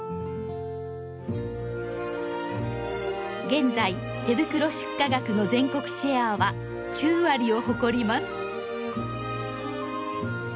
現在手袋出荷額の全国シェアは９割を誇ります。